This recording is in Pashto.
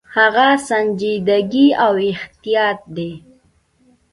هغه سنجیدګي او احتیاط دی.